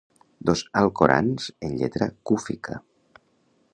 Dos alcorans en lletra cúfica.